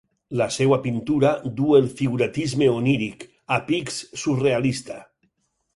La seua pintura du el figurativisme oníric, a pics surrealista.